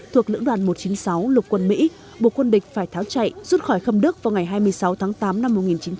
thuộc lưỡng đoàn một trăm chín mươi sáu lục quân mỹ buộc quân địch phải tháo chạy rút khỏi khâm đức vào ngày hai mươi sáu tháng tám năm một nghìn chín trăm bảy mươi